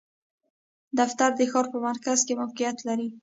دفتر د ښار په مرکز کې موقعیت لری